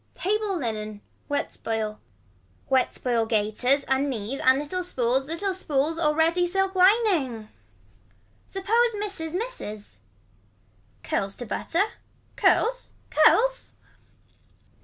Table linen. Wet spoil. Wet spoil gaiters and knees and little spools little spools or ready silk lining. Suppose misses misses. Curls to butter. Curls. Curls.